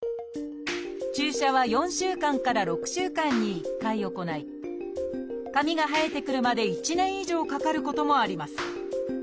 注射は４週間から６週間に１回行い髪が生えてくるまで１年以上かかることもあります。